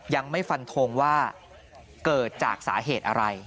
ยังไม่ฟันทงว่าเกิดจากสาเหตุอะไร